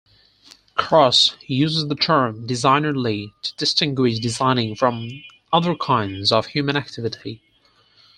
Cross uses the term 'designerly' to distinguish designing from other kinds of human activity.